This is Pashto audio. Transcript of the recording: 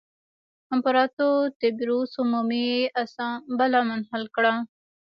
امپراتور تبریوس عمومي اسامبله منحل کړه